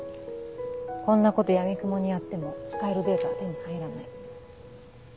こんなことやみくもにやっても使えるデータは手に入らない。